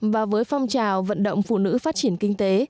và với phong trào vận động phụ nữ phát triển kinh tế